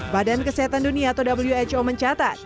badan kesehatan dunia atau who mencatat